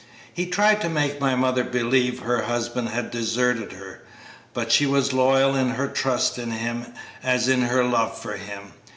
He tried to make my mother believe her husband had deserted her, but she was loyal in her trust in him as in her love for him.